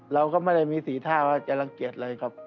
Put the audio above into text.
เราก็ไม่ได้มีสีท่าว่าจะรังเกียจเลยครับ